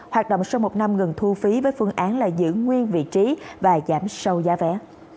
hoạt động sau một năm ngừng thu phí với phương án là giữ nguyên vị trí và giảm sâu giá vé